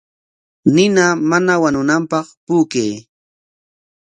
Nina mana wañunanpaq puukay.